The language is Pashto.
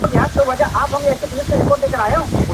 پوليس کور ته راځي او پلټنه پيلوي ژر,